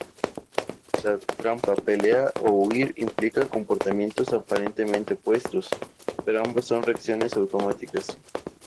La trampa pelear o huir implica comportamientos aparentemente opuestos, pero ambos son reacciones automáticas.